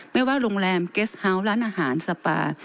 ไม่ว่าโรงแรมเกสเฮาส์ร้านอาหารสปา